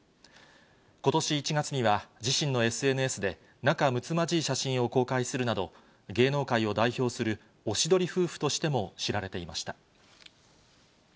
ことし１月には、自身のＳＮＳで、仲むつまじい写真を公開するなど、芸能界を代表するおしどり夫婦としても知られていました。